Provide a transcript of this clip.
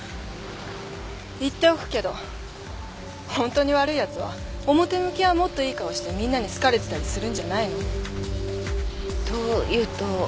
言っておくけどホントに悪いやつは表向きはもっといい顔してみんなに好かれてたりするんじゃないの？というと？